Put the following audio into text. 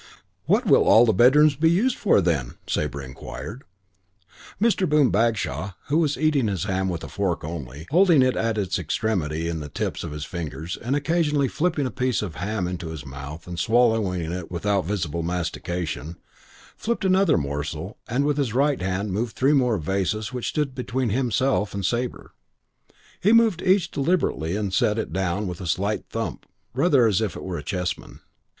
"What will all the bedrooms be used for then?" Sabre inquired. Mr. Boom Bagshaw, who was eating his ham with a fork only, holding it at its extremity in the tips of his fingers and occasionally flipping a piece of ham into his mouth and swallowing it without visible mastication, flipped in another morsel and with his right hand moved three more vases which stood between himself and Sabre. He moved each deliberately and set it down with a slight thump, rather as if it were a chessman.